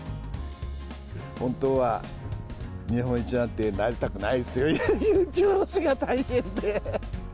本当は日本一なんてなりたくないですよ、雪下ろしが大変で。